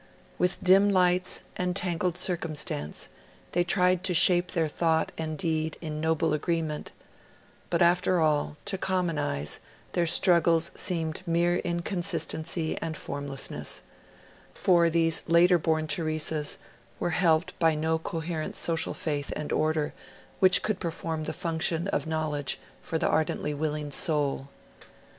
With dim lights and tangled circumstance they tried to shape their thought and deed in noble agreement; but after all, to common eyes their struggles seemed mere inconsistency and formlessness; for these later born Theresas were helped by no coherent social faith and order which could perform the function of knowledge for the ardently willing soul.